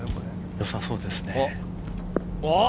よさそうですね。